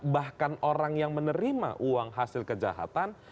bahkan orang yang menerima uang hasil kejahatan